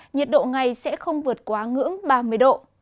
nhiệt độ ngày sẽ không vượt quá ngưỡng ba mươi độ